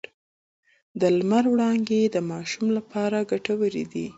د لمر وړانګې د ماشوم لپاره ګټورې دي۔